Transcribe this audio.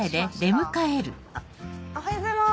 おはようございます。